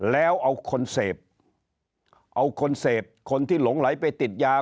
แล้วเอาคนเสพเอาคนเสพคนที่หลงไหลไปติดยา